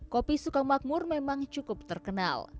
kopi sukamakmur memang cukup terkenal